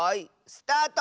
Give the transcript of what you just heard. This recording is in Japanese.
スタート！